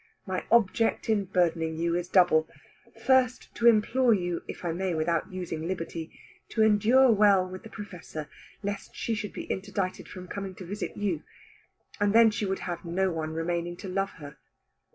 My object in burdening you is double: First to implore you, if I may without using liberty, to endure well with the Professor, lest she should be interdicted from coming to visit you, and then she would have no one remaining to love her.